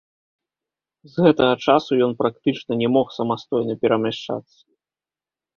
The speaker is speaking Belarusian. З гэтага часу ён практычна не мог самастойна перамяшчацца.